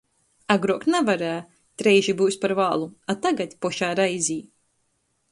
Agruok navarē, dreiži byus par vālu, a tagad - pošā reizī